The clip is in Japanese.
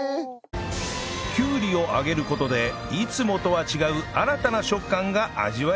きゅうりを揚げる事でいつもとは違う新たな食感が味わえるそうです